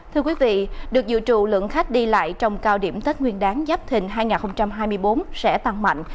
thưa quý vị được dự trụ lượng khách đi lại trong cao điểm tết nguyên đáng giáp thình hai nghìn hai mươi bốn sẽ tăng mạnh